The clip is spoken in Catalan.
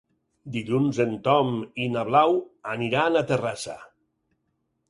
Dilluns en Tom i na Blau aniran a Terrassa.